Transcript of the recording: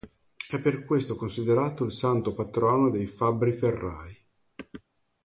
È per questo considerato il santo patrono dei fabbri-ferrai.